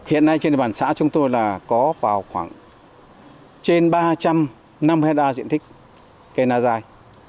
hiện nay trên địa bàn xã chúng tôi là có vào khoảng trên ba trăm năm mươi ha diện tích cây na dài